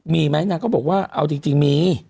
มีไหมนางก็บอกว่าเอาจริงมี